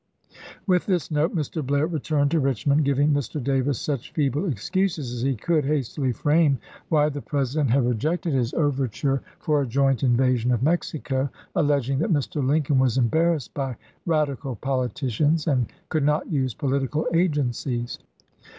With this note Mr. Blair returned to Richmond, giving Mr. Davis such feeble excuses as he could hastily frame why the President had rejected his MS. BLAIB'S MEXICAN PKOJECT 109 overture for a joint invasion of Mexico,1 alleging chap. v. that Mr. Lincoln was embarrassed by radical poli ticians and could not use " political agencies."